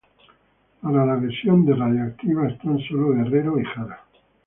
Para la versión de "Radioactiva", están solo Guerrero y Jara.